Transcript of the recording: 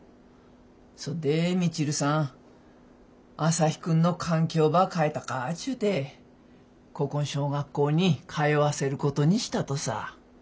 そっで美知留さん朝陽君の環境ば変えたかっちゅうてここん小学校に通わせることにしたとさ。